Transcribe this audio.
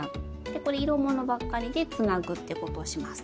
これ色ものばっかりでつなぐってことをします。